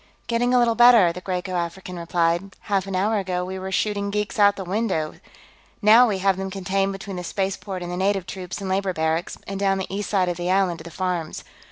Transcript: "Getting a little better," the Graeco African replied. "Half an hour ago, we were shooting geeks out the windows, here; now we have them contained between the spaceport and the native troops and labor barracks, and down the east side of the island to the farms.